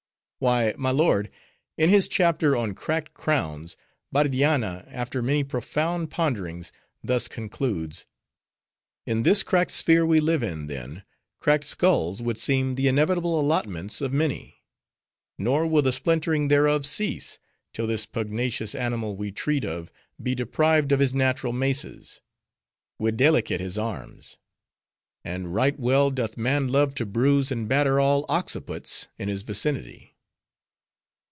"Why, my lord, in his chapter on "Cracked Crowns," Bardianna, after many profound ponderings, thus concludes: In this cracked sphere we live in, then, cracked skulls would seem the inevitable allotments of many. Nor will the splintering thereof cease, till this pugnacious animal we treat of be deprived of his natural maces: videlicet, his arms. And right well doth man love to bruise and batter all occiputs in his vicinity."